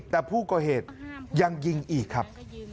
แต่ผู้ก่อเหตุยังยิงอีกครับ